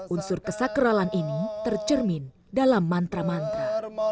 unsur kesakralan ini tercermin dalam mantra mantra